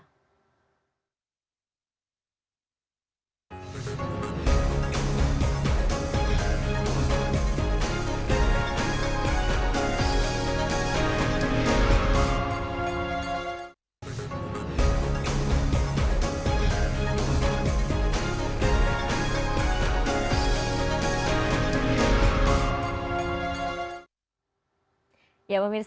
terima kasih enjoy